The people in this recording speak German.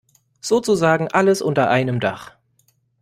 Sozusagen alles unter einem Dach.